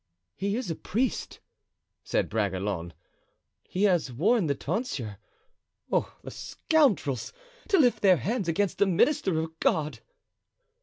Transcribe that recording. "He is a priest," said Bragelonne, "he has worn the tonsure. Oh, the scoundrels! to lift their hands against a minister of God."